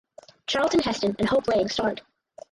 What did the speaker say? Charlton Heston and Hope Lange starred.